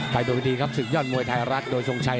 ไปตัวพิธีครับสื่อยอดมวยไทยรัฐโดยสงชัย